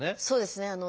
そうですね。